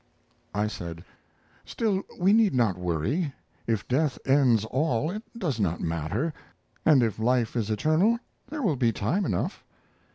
I said: "Still, we need not worry. If death ends all it does not matter; and if life is eternal there will be time enough."